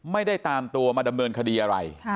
ไม่ได้ตามตัวมาดำเนินคดีอะไร